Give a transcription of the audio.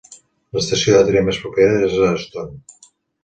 L'estació de tren més propera és a Stone.